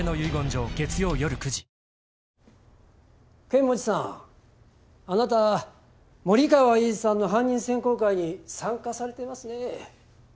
剣持さんあなた森川栄治さんの犯人選考会に参加されてますね？